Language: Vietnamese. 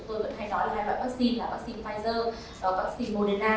và thường thường chúng tôi vẫn hay nói là hai loại vắc xin là vắc xin pfizer và vắc xin moderna